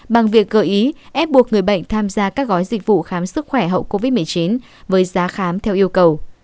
bằng việc gợi ý ép buộc người bệnh tham gia các gói dịch vụ khám sức khỏe hậu covid một mươi chín với giá khám theo yêu cầu